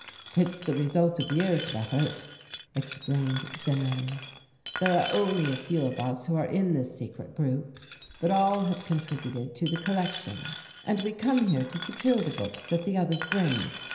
"It is the result of years of effort," explained Zimmern. "There are only a few of us who are in this secret group but all have contributed to the collection, and we come here to secure the books that the others bring.